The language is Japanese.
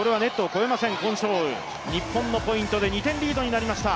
日本のポイントで２点リードになりました。